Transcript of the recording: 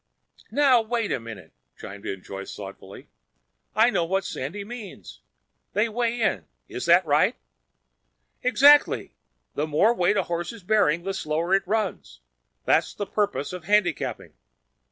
"Wait a minute!" chimed in Joyce thoughtfully. "I know what Sandy means. They weigh in. Is that right?" "Exactly! The more weight a horse is bearing, the slower it runs. That's the purpose of handicapping.